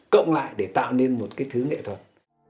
cộng lại để tạo nên một cái thứ nghệ thuật